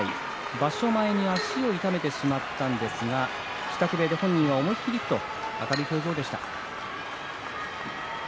場所前に足を痛めてしまったんですが支度部屋で本人は、思い切りと明るい表情でした。